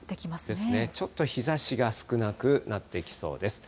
ですね、ちょっと日ざしが少なくなってきそうです。